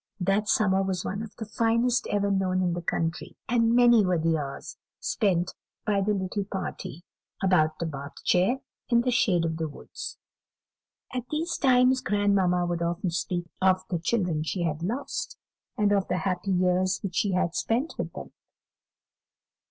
That summer was one of the finest ever known in the country, and many were the hours spent by the little party about the Bath chair, in the shade of the woods. At these times grandmamma would often speak of the children she had lost, and of the happy years which she had spent with them.